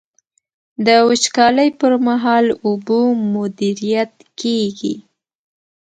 د وچکالۍ پر مهال اوبه مدیریت کیږي.